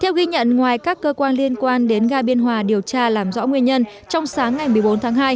theo ghi nhận ngoài các cơ quan liên quan đến ga biên hòa điều tra làm rõ nguyên nhân trong sáng ngày một mươi bốn tháng hai